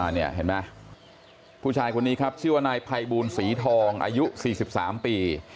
นี่เห็นไหมผู้ชายคนนี้ครับชื่อว่านายภัยบูลศรีทองอายุ๔๓ปี